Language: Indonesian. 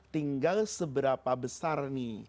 tinggal seberapa besar nih